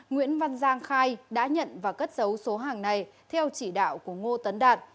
nguyễn văn giang khai đã nhận và cất dấu số hàng này theo chỉ đạo của ngô tấn đạt